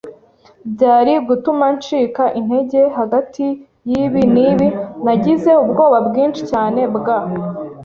byari gutuma ncika intege. Hagati yibi n'ibi, Nagize ubwoba bwinshi cyane bwa